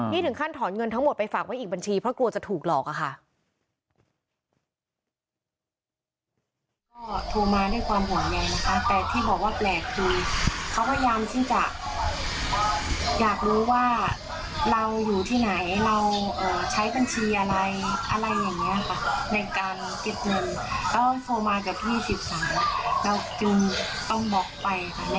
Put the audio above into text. นี่ถึงขั้นถอนเงินทั้งหมดไปฝากไว้อีกบัญชีเพราะกลัวจะถูกหลอกอะค่ะ